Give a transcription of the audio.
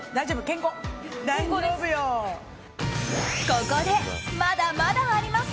ここで、まだまだあります！